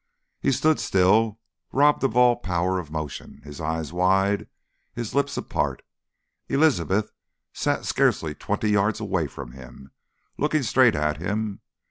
He stood still, robbed of all power of motion, his eyes wide, his lips apart. Elizabeth sat scarcely twenty yards away from him, looking straight at him.